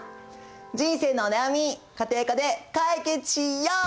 人生のお悩み家庭科で解決しよう！